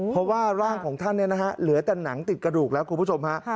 เพราะว่าร่างของท่านเหลือแต่หนังติดกระดูกแล้วคุณผู้ชมฮะ